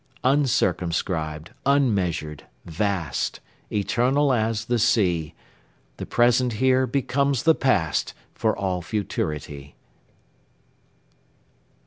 Uncircumscribed, unmeasured, vast, Eternal as the Sea, The present here becomes the past, For all futurity.